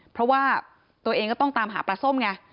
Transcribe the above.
เพราะว่าตัวเองก็ต้องตามหาปลาส้มไง